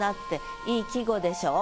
いい季語でしょ？